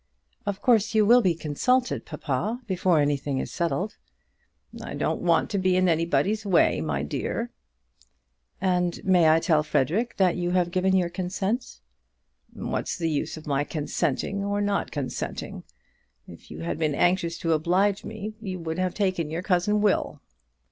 "Of course you will be consulted, papa, before anything is settled." "I don't want to be in anybody's way, my dear." "And may I tell Frederic that you have given your consent?" "What's the use of my consenting or not consenting? If you had been anxious to oblige me you would have taken your cousin Will."